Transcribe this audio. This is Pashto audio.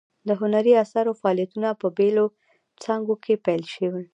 د هنري اثارو فعالیتونه په بیلو څانګو کې پیل شول.